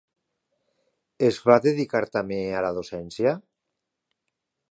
Es va dedicar també a la docència?